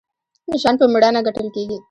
نشان په میړانه ګټل کیږي